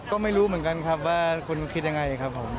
ก็ไม่รู้เหมือนกันครับว่าคุณคิดยังไงครับผม